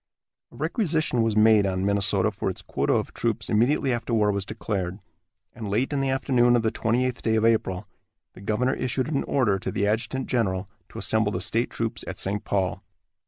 A requisition was made on Minnesota for its quota of troops immediately after war was declared, and late in the afternoon of the twenty eighth day of April the governor issued an order to the adjutant general to assemble the state troops at St. Paul.